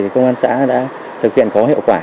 công an xã đã thực hiện có hiệu quả